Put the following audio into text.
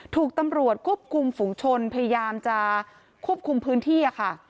ถูกตำรวจควบคุมฝุงชนพยายามจะควบคุมพื้นที่ค่ะ